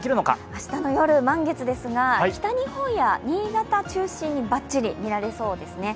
明日の夜、満月ですか、北日本や新潟中心にバッチリ見られそうですね。